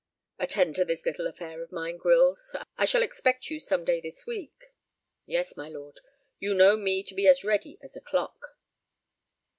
"Attend to this little affair of mine, Grylls. I shall expect you some day this week." "Yes, my lord; you know me to be as steady as a clock."